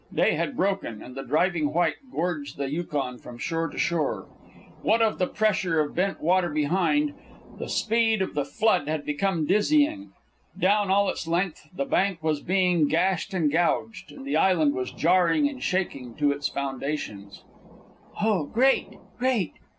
Day had broken, and the driving white gorged the Yukon from shore to shore. What of the pressure of pent water behind, the speed of the flood had become dizzying. Down all its length the bank was being gashed and gouged, and the island was jarring and shaking to its foundations. "Oh, great! Great!"